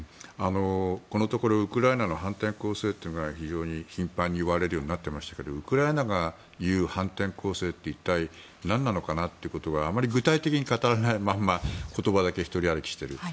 このところウクライナの反転攻勢というのは非常に頻繁に言われるようになってきましたけどウクライナが言う反転攻勢って一体何なのかなということはあまり具体的に語られないまま言葉だけ一人歩きしている。